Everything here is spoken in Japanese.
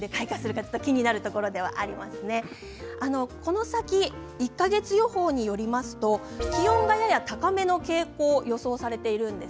この先、１か月予報によりますと気温が、やや高めの傾向が予想されています。